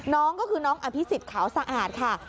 น้องก็คือน้องอภิษฎขาวสะอาดค่ะ